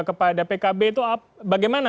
kepada pkb itu bagaimana